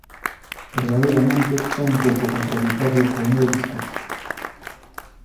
Verdadeiramente é un pouco contraditorio co meu discurso.